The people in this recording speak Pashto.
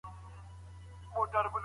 لاجورد په ګاڼو کي نه هېریږي.